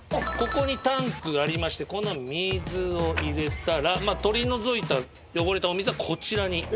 ここにタンクがありましてこの水を入れたら取り除いた汚れたお水はこちらに。